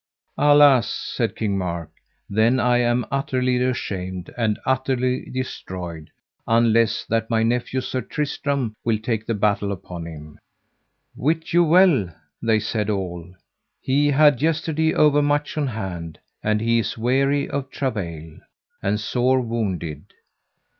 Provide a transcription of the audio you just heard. Alas, said King Mark, then am I utterly ashamed and utterly destroyed, unless that my nephew Sir Tristram will take the battle upon him. Wit you well, they said all, he had yesterday overmuch on hand, and he is weary for travail, and sore wounded.